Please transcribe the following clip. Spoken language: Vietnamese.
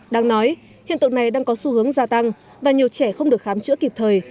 đáng nói hiện tượng này đang có xu hướng gia tăng và nhiều trẻ không được khám chữa kịp thời